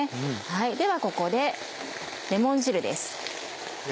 ではここでレモン汁です。